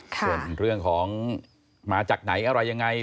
ส่วนเรื่องของมาจากไหนอะไรยังไง